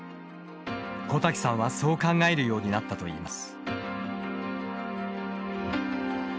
小瀧さんは、そう考えるようになったといいます。